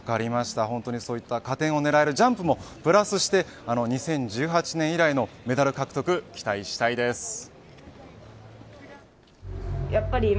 そういった加点を狙えるジャンプもプラスして、２０１８年以来のメダル獲得期待したいです。